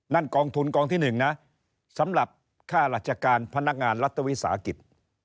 กองทุนกองที่๑นะสำหรับค่าราชการพนักงานรัฐวิสาหกิจ